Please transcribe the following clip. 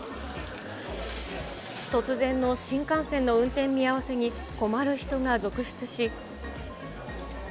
突然の新幹線の運転見合わせに、困る人が続出し。